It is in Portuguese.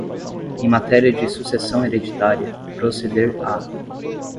em matéria de sucessão hereditária, proceder à